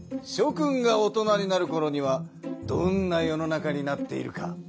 君が大人になるころにはどんな世の中になっているか。